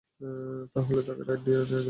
তাহলে তাকে রাইডে নিয়ে যাও।